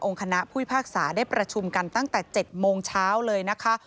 คณะผู้พิพากษาได้ประชุมกันตั้งแต่๗โมงเช้าเลยนะคะ